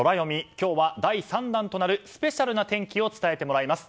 今日は第３弾となるスペシャルな天気を伝えてもらいます。